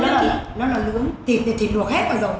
đấy tại vì nó là nó là lưỡng thịt thì thịt luộc hết rồi rồi